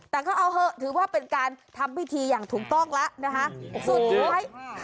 แต่ก็เอาเถอะถือว่าเป็นการทำวิธีอย่างถูกต้องนะส่วนให้